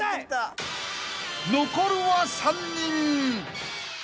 ［残るは３人］